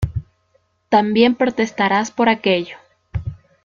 también protestaras por aquello